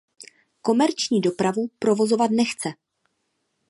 Komerční dopravu provozovat nechce.